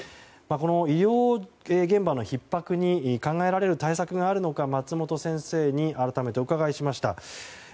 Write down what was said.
この医療現場のひっ迫に考えられる対策があるのか松本先生に改めてお伺いしました。